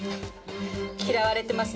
嫌われてます